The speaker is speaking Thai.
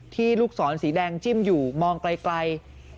ลูกศรสีแดงจิ้มอยู่มองไกล